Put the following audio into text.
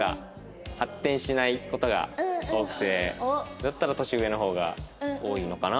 だったら年上の方が多いのかな。